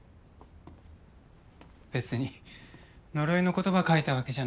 別に呪いの言葉書いたわけじゃないのに。